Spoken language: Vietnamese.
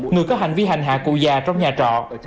người có hành vi hành hạ cụ già trong nhà trọ